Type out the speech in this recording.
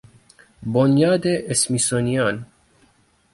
بنیاد اسمیسونیان